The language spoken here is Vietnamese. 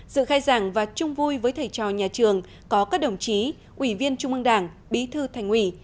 dự khai giảng và chung vui với thầy trò nhà trường có các đồng chí ủy viên trung ương đảng bí thư thành ủy